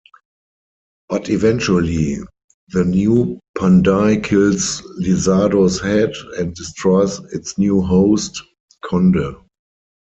But eventually, the new Panday kills Lizardo's head and destroys its new host, Konde.